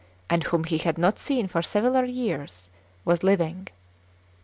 and whom he had not seen for several years, was living.